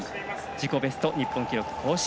自己ベスト、日本記録更新。